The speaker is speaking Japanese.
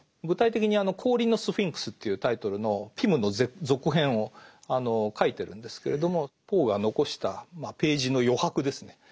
具体的に「氷のスフィンクス」っていうタイトルの「ピム」の続編を書いてるんですけれどもポーが残したページの余白ですね。